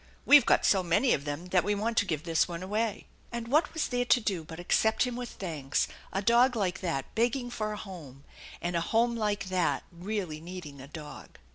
We've got BO many of them that we want to give this one away/' And what was there to do but accept hm t with thanks, a dog like that begging for a home, and a ha /no like that really needing a dog?